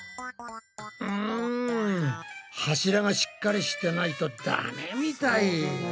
うん柱がしっかりしてないとダメみたい。